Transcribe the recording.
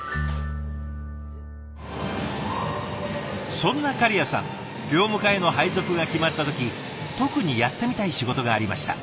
そんな狩屋さん業務課への配属が決まった時特にやってみたい仕事がありました。